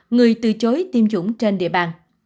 người từ chối tiêm chủng trên địa bàn